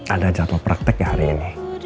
ada jadwal praktek ya hari ini